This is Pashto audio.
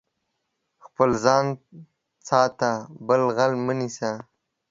خپل ځان ساته، بل غل مه نيسه.